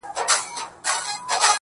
مجرم د غلا خبري پټي ساتي.